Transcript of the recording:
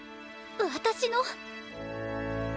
私の？